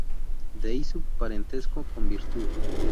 De ahí su parentesco con "virtud".